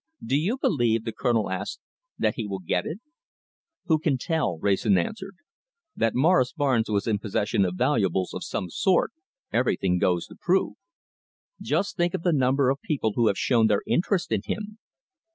"Do you believe," the Colonel asked, "that he will get it?" "Who can tell?" Wrayson answered. "That Morris Barnes was in possession of valuables of some sort, everything goes to prove. Just think of the number of people who have shown their interest in him.